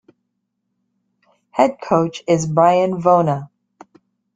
Head coach is Brian Vona.